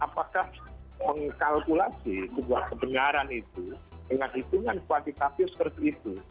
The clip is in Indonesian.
apakah mengkalkulasi sebuah kebenaran itu dengan hitungan kualitatif seperti itu